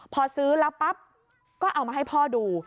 พอซื้อแล้วปั๊บก็เอามาให้พ่อดู